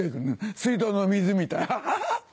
水道の水みたいハハハ！